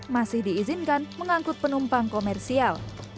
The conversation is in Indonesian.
masih diizinkan mengangkut penumpang komersial